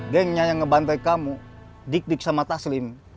gengnya yang ngebantai kamu dik dik sama taslim